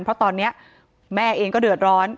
เพราะตอนนี้แม่เองก็เดือดร้อน